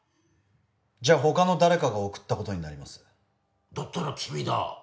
じゃあ他の誰かが送ったことになりますだったら君だ